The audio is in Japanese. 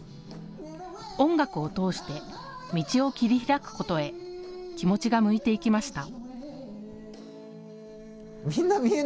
音楽を通して道を切り開くことへ気持ちが向いていきました。